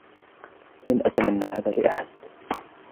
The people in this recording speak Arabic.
لن أتمنى هذا لأحد.